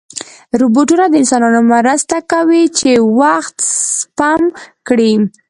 روبوټونه د انسانانو مرسته کوي چې وخت سپم کړي.